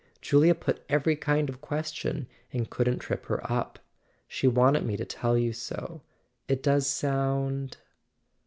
Julia put every kind of question, and couldn't trip her up; she wanted me to tell you so. It does sound